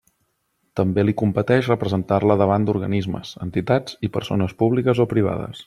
També li competeix representar-la davant d'organismes, entitats i persones públiques o privades.